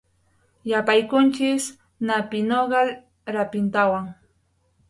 Yapaykunchik napi nogal rapintawan.